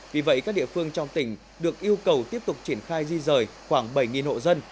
vì vậy các địa phương trong tỉnh được yêu cầu tiếp tục triển khai di rời khoảng bảy hộ dân